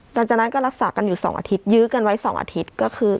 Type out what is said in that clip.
หลังจากนั้นก็รักษากันอยู่๒อาทิตยื้อกันไว้๒อาทิตย์ก็คือ